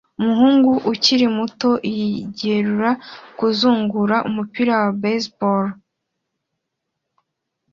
Umuhungu ukiri muto yitegura kuzunguza umupira wa baseball